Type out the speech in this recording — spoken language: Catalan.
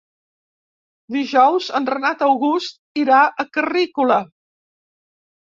Dijous en Renat August irà a Carrícola.